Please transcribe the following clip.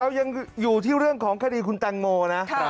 ยังอยู่ที่เรื่องของคดีคุณแตงโมนะ